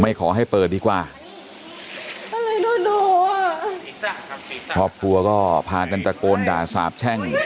ไม่ขอให้เปิดดีกว่าครอบครัวก็พากันตะโกนด่าสาปแช่ง